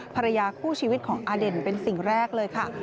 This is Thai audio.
ภรรยาคู่ชีวิตของอเด่นเป็นสิ่งแรกเลยค่ะ